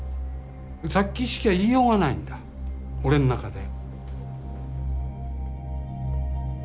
殺気しか言いようがないんだ俺の中で。